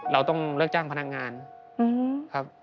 เราต้องเลิกจ้างพนักงานครับ